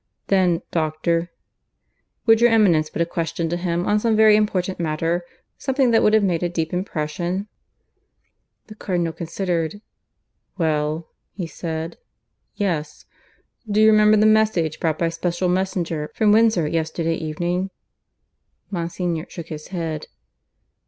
"Then, doctor " "Would your Eminence put a question to him on some very important matter? Something that would have made a deep impression." The Cardinal considered. "Well," he said, "yes. Do you remember the message brought by special messenger from Windsor yesterday evening?" Monsignor shook his head.